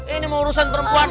ini mau urusan perempuan